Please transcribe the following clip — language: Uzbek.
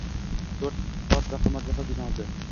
Tort va qimmatbaho vino oldi.